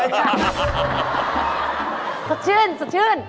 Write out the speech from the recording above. สดชื่น